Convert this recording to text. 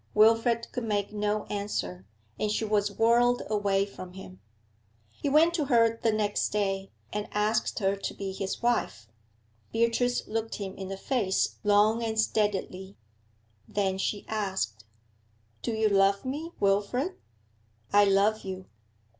Wilfrid could make no answer, and she was whirled away from him. He went to her the next day, and asked her to be his wife. Beatrice looked him in the face long and steadily. Then she asked: 'Do you love me, Wilfrid?' 'I love you.'